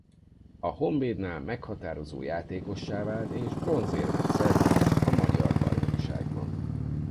A Honvédnál meghatározó játékossá vált és bronzérmet szerzett a magyar bajnokságban.